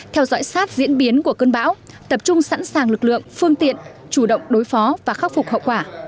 theo dõi sát diễn biến của cơn bão tập trung sẵn sàng lực lượng phương tiện chủ động đối phó và khắc phục hậu quả